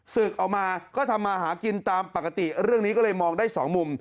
เอามาก็ทำมาหากินตามปกติเรื่องนี้ก็เลยมองได้สองมุม